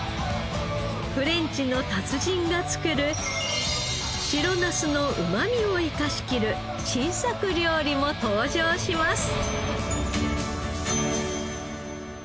フレンチの達人が作る白ナスのうまみを生かしきる新作料理も登場します。